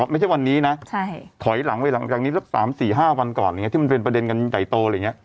ไม่ใช่วันนี้นะถอยหลังไว้หลังจากนี้๓๕วันก่อนที่มันเป็นประเด็นกันใหญ่โต